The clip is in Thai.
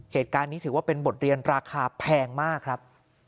เหตุการณ์นี้ถือว่าเป็นบทเรียนราคาแพงมากครับ